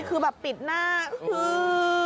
คือแบบปิดหน้าคือ